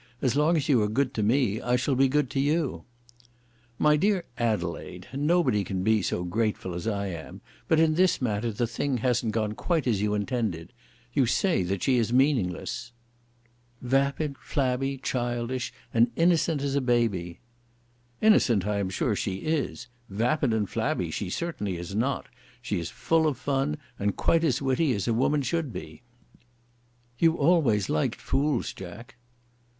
As long as you are good to me, I shall be good to you." "My dear Adelaide, nobody can be so grateful as I am. But in this matter the thing hasn't gone quite as you intended. You say that she is meaningless." "Vapid, flabby, childish, and innocent as a baby." "Innocent I am sure she is. Vapid and flabby she certainly is not. She is full of fun, and is quite as witty as a woman should be." "You always liked fools, Jack."